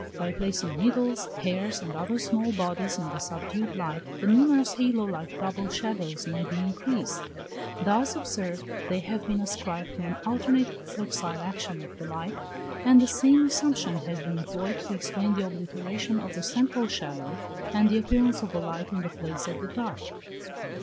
By placing needles, hairs, and other small bodies, in the subdued light, the numerous halo like double shadows may be increased; thus observed, they have been ascribed to an alternating flexile action of the light, and the same assumption has been employed to explain the obliteration of the central shadow, and the appearance of a light in the place of the dark.